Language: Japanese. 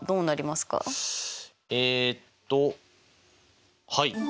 えっとはい。